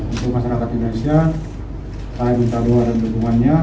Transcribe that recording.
untuk masyarakat indonesia saya minta doa dan dukungannya